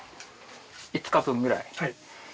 ５日分ぐらい。